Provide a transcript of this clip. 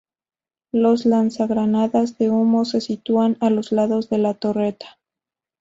Los lanzagranadas de humo se sitúan a los lados de la torreta.